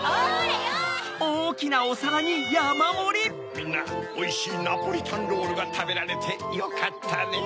みんなおいしいナポリタンロールがたべられてよかったねぇ。